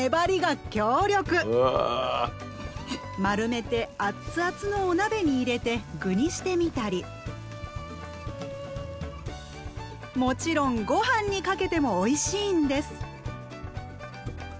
丸めてあっつあつのお鍋に入れて具にしてみたりもちろん御飯にかけてもおいしいんです。